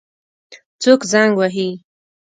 څوک زنګ وهي؟